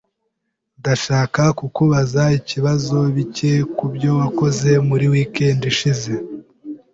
Ndashaka kukubaza ibibazo bike kubyo wakoze muri weekend ishize.